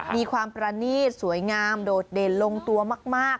มีความประนีตสวยงามโดดเด่นลงตัวมาก